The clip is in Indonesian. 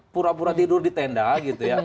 pura pura tidur di tenda gitu ya